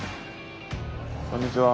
こんにちは。